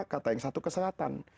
kata yang satu ke selatan